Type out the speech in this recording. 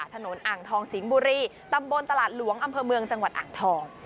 อ่างทองสิงห์บุรีตำบลตลาดหลวงอำเภอเมืองจังหวัดอ่างทอง